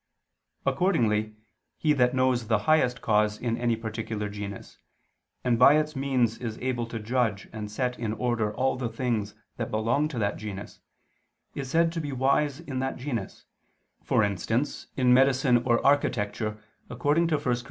Accordingly he that knows the highest cause in any particular genus, and by its means is able to judge and set in order all the things that belong to that genus, is said to be wise in that genus, for instance in medicine or architecture, according to 1 Cor.